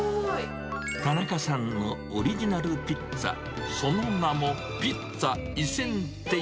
田中さんのオリジナルピッツァ、その名も、ピッツァイセンテイ。